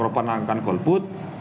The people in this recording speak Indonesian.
warga korupan akan golput